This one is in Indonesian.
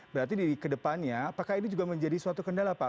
berarti di kedepannya apakah ini juga menjadi suatu kendala pak